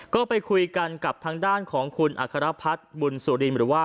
ก็ไปคุยกันกับทางด้านของคุณอัครพัฒน์บุญสุรินหรือว่า